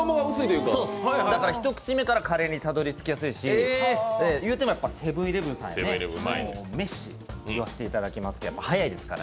一口目からカレーにたどりつきやすいし、言うてもセブン−イレブンさんやね、メッシ言わせてもらいますけど、速いですから。